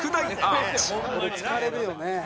「これ疲れるよね」